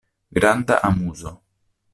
Granda amuzo.